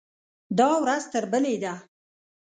دا ورځ تر بلې ده.